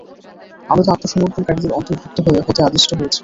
আমি তো আত্মসমর্পণকারীদের অন্তর্ভুক্ত হতে আদিষ্ট হয়েছি।